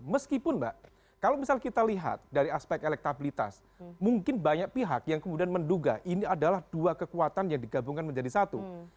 meskipun mbak kalau misal kita lihat dari aspek elektabilitas mungkin banyak pihak yang kemudian menduga ini adalah dua kekuatan yang digabungkan menjadi satu